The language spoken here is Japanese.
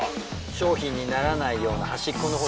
商品にならないような端っこの方。